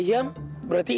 kan burungnya minum